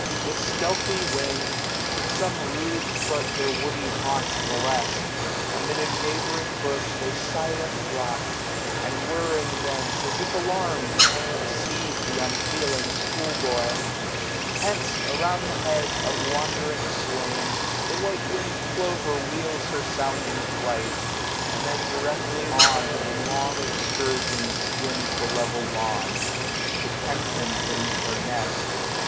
With stealthy wing. Should some rude foot their woody haunts molest, Amid a neighbouring bush they silent drop. And whirring thence, as if alarm'd, deceive 690 Th* unfeeling school boy. Hence, around the head Of wandering swain, the white wingM plover wheels Her sounding flight ; and then directly on In long excursion skims the level lawn. To tempt him from her nest.